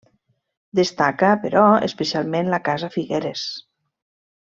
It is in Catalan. Destaca, però, especialment la casa Figueres.